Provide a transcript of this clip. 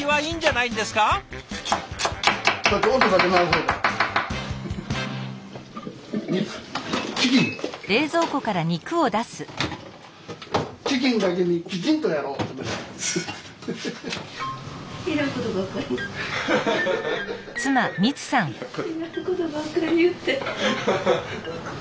いらんことばっかり言って。